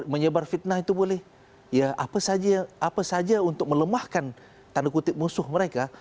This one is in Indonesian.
menyebar fitnah itu boleh apa saja untuk melemahkan musuh mereka